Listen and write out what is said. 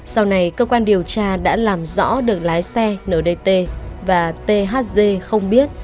sau này cơ quan điều tra đã làm rõ được lái xe ndt và thg không biết